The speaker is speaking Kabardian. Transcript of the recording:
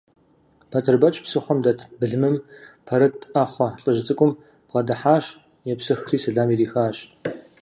Батырбэч псыхъуэм дэт былымым пэрыт Ӏэхъуэ лӀыжь цӀыкӀум бгъэдыхьэщ, епсыхри сэлам ирихащ.